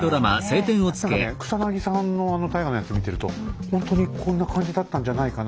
何かね草さんのあの大河のやつ見てるとほんとにこんな感じだったんじゃないかな。